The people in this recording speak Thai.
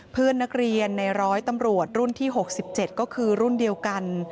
เพื่อนนักเรียนในร้อยตำรวจรุ่นที่๖๗ก็คือรุ่นเดียวกัน